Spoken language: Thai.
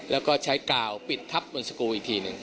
แล้วก็ใช้กาวปิดทับบนสกูลอีกทีหนึ่ง